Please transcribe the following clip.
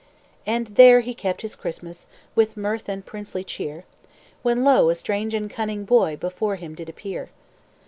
"And there he kept his Christmas, With mirth and princely cheer, When lo! a strange and cunning boy Before him did appear.